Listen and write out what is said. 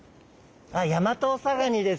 ヤマトオサガニです。